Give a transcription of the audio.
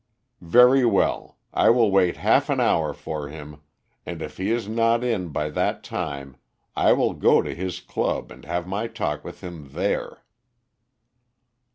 "Very well. I will wait half an hour for him, and if he is not in by that time I will go to his club and have my talk with him there."